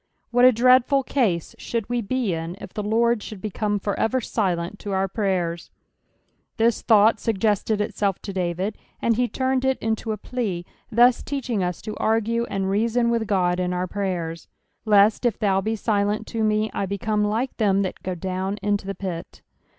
What a dreadful case should we be in if the Lord should become for ever silent to our prayers 1 This thought suggested itself to David, and he turned it into a plea, thus teach ing us to argue sud reason with God in our prayers. " Lett, if thou be liletU to me, I heeome lite them that go down, into the pit."